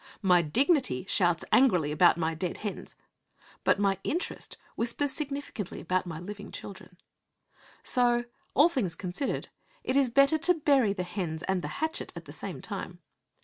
My dignity shouts angrily about my dead fens; but my interest whispers significantly about my living children. So that, all things considered, it is better to bury the hens and the hatchet at the same time.